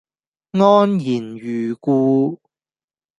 安然如故